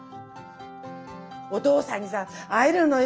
お父さんにさ会えるのよ。